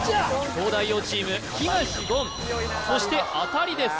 東大王チーム東言そして当たりです